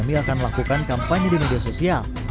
kami akan melakukan kampanye di media sosial